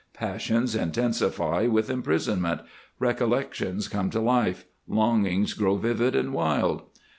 Passions intensify with imprisonment, recollections come to life, longings grow vivid and wild.